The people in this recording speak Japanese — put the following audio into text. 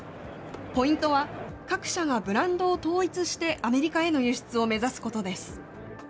ポイントは各社がブランドを統一してアメリカへの輸出を目指すことです。